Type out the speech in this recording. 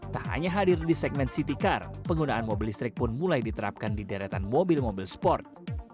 tak hanya hadir di segmen city car penggunaan mobil listrik pun mulai diterapkan di deretan mobil mobil sport